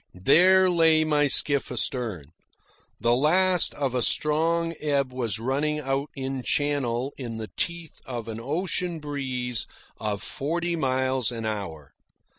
There lay my skiff astern. The last of a strong ebb was running out in channel in the teeth of an ocean breeze of forty miles an hour.